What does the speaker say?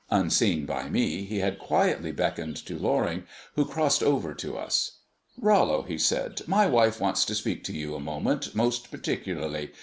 Unseen by me, he had quietly beckoned to Loring, who crossed over to us. "Rollo," he said, "my wife wants to speak to you a moment most particularly.